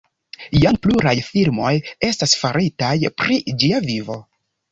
Jam pluraj filmoj estas faritaj pri ĝia vivo.